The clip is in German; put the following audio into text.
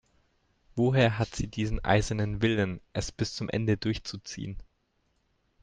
Woher hat sie diesen eisernen Willen, es bis zum Ende durchzuziehen?